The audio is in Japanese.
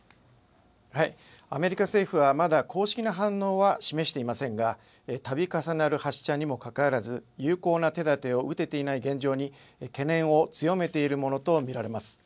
アメリカ政府はまだ公式な反応は示していませんがたび重なる発射にもかかわらず有効な手だてを打てていない現状に懸念を強めているものと見られます。